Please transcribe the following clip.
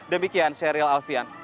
demikian serial alfian